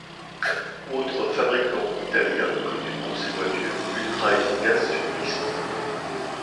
Autre fabricant italien connu pour ses voitures ultra efficaces sur piste.